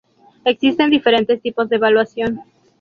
Existen diferentes tipos de evaluación.